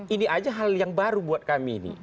ini aja hal yang baru buat kami ini